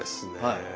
はい。